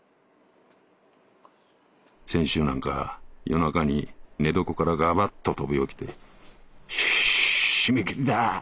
「先週なんか夜中に寝床からガバっと飛び起きて『し〆切がぁ！